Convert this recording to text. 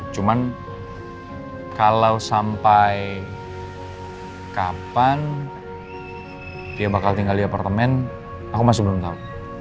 cuman kalau sampai kapan dia bakal tinggal di apartemen aku masih belum tahu